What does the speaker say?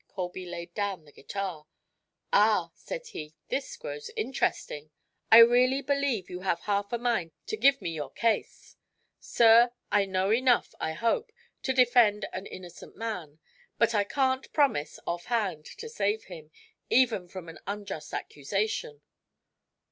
Colby laid down the guitar. "Ah!" said he, "this grows interesting. I really believe you have half a mind to give me your case. Sir, I know enough, I hope, to defend an innocent man; but I can't promise, offhand, to save him, even from an unjust accusation."